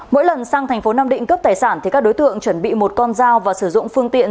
mỗi lần sang thành phố nam định cướp tài sản các đối tượng chuẩn bị một con dao và sử dụng phương tiện